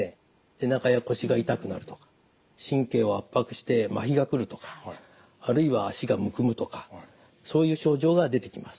背中や腰が痛くなるとか神経を圧迫して麻痺が来るとかあるいは足がむくむとかそういう症状が出てきます。